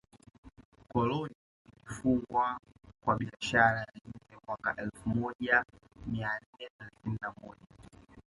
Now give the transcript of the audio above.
Koloni lilifunguliwa kwa biashara ya nje mwaka elfu moja mia nane thelathini na moja